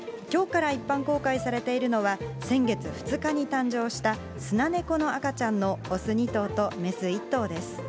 きょうから一般公開されているのは、先月２日に誕生した、スナネコの赤ちゃんの雄２頭と雌１頭です。